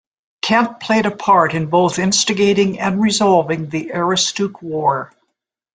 Kent played a part in both instigating and resolving the Aroostook War.